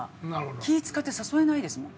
気ぃ使って誘えないですもん。